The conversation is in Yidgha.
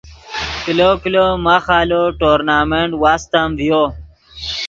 کلو کلو ماخ آلو ٹورنامنٹ واستم ڤیو